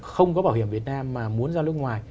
không có bảo hiểm việt nam mà muốn ra nước ngoài